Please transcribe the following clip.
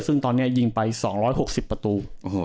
ซึ่งตอนนี้ยิงไป๒๖๐ประตู